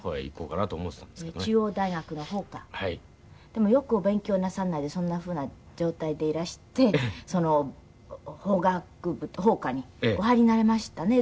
でもよくお勉強なさらないでそんなふうな状態でいらして法学部法科にお入りになれましたね。